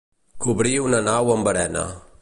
Cobrir una nau amb arena.